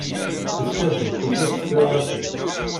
Tesker tmeṭṭut-is tiɣratin.